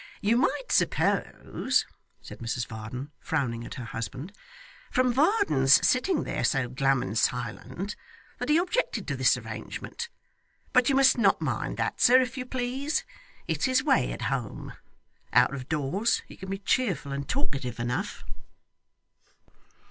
You might suppose,' said Mrs Varden, frowning at her husband, 'from Varden's sitting there so glum and silent, that he objected to this arrangement; but you must not mind that, sir, if you please. It's his way at home. Out of doors, he can be cheerful and talkative enough.